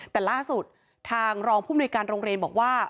แต่ล่าสุดทางรองผู้มนุยการโรงเรียนบอกว่า